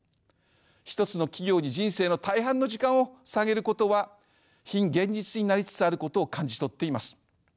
１つの企業に人生の大半の時間をささげることは非現実になりつつあることを感じ取っています。